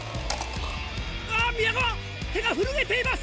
あぁ宮川手が震えています！